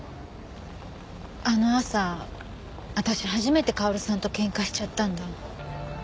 あの朝私初めて薫さんと喧嘩しちゃったんだ。